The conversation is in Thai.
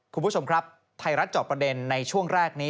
คุณผู้ชมครับไทยรัฐจอบประเด็นในช่วงแรกนี้